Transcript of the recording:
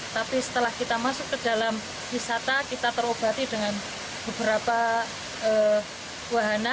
tapi setelah kita masuk ke dalam wisata kita terobati dengan beberapa wahana